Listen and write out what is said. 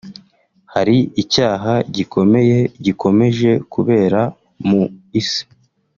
Hari icyaha gikomeye gikomeje kubera mu isi